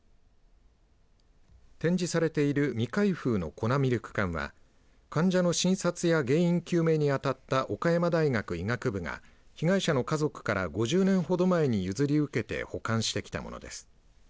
展示されている未開封の粉ミルク缶は患者の診察や原因究明に当たった岡山大学医学部が被害者の家族から５０年ほど前に譲り受けて保管してきたものです。